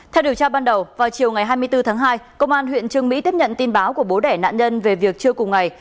theo điều tra ban đầu vào chiều ngày hai mươi bốn tháng hai công an huyện trương mỹ tiếp nhận tin báo của bố đẻ nạn nhân về việc trưa cùng ngày